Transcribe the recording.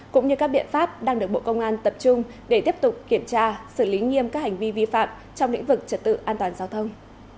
cũng như các biện pháp đang được bộ công an tập trung để tiếp tục kiểm tra xử lý nghiêm các hành vi vi phạm trong lĩnh vực trật tự an toàn giao thông